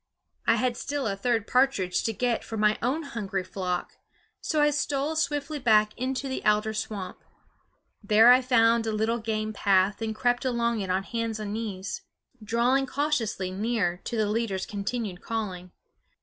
I had still a third partridge to get for my own hungry flock; so I stole swiftly back into the alder swamp. There I found a little game path and crept along it on hands and knees, drawing cautiously near to the leader's continued calling.